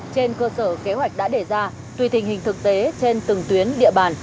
trên cơ sở kế hoạch đã đề ra tùy tình hình thực tế trên từng tuyến địa bàn